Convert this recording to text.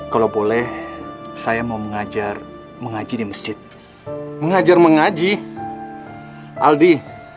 kalau boleh saya mau mengajar mengaji di masjid mengajar mengaji aldi